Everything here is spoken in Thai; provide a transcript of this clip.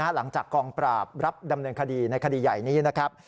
หลังจากกองปราบรับดำเนินคดีในคดีใหญ่นี้นะครับ